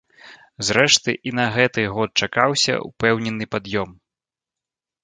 Зрэшты, і на гэты год чакаўся ўпэўнены пад'ём.